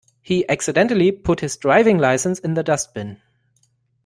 He accidentally put his driving licence in the dustbin